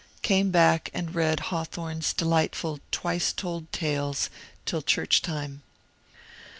Came back and read Hawthorne's delightful " Twice told Tales " till church time.